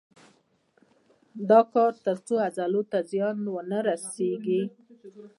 دا کار تر څو عضلو ته زیان ونه رسېږي.